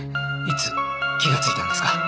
いつ気がついたんですか？